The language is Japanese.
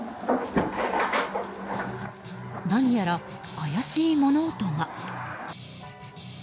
何やら、怪しい物音が。